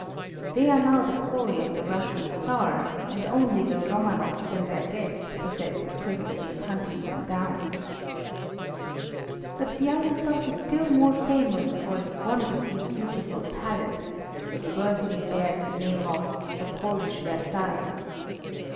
They are now the quarry of the Russian Tsar, and only the Romanovs and their guests possess the privilege of hunting them down. But Bialystok is still more famous for its wondrously beautiful Palace, which worthily bears the name of "the Polish Versailles."